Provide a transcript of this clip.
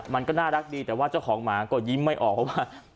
มันก็น่ารักดีแต่ว่าเจ้าของหมาก็ยิ้มไม่ออกเพราะว่า